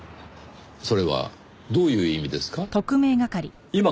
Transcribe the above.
それはどういう意味ですか？